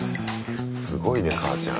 すごいね母ちゃん。